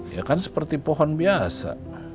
ya kan seperti pohon biasa